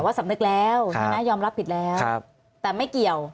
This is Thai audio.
ว่าสำนึกแล้วยอมรับผิดแล้วแต่ไม่เกี่ยว